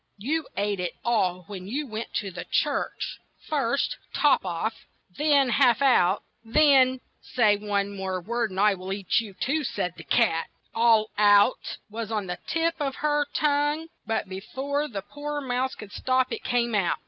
You ate it all when you went to the church; first Top off, then Half out, then —" "Say one word more and I will eat you too," said the cat. "All out'' was on the tip of her tongue, and be fore the poor mouse could stop, it came out.